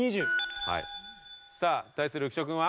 さあ対する浮所君は？